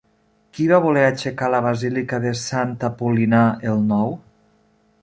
Qui va voler aixecar la basílica de Sant Apol·linar el Nou?